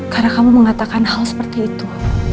karena kamu mengatakan hal seperti itu